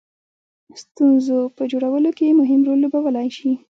ستونزو په جوړولو کې مهم رول لوبولای شي.